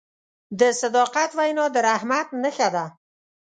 د صداقت وینا د رحمت نښه ده.